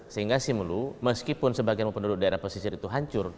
sehingga simelu meskipun sebagian penduduk daerah pesisir itu hancur